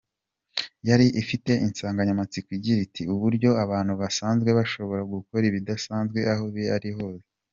Yari ifite insanganyamatsiko igira iti “Uburyo abantu basanzwe bashobora gukora ibidasanzwe aho bari hose.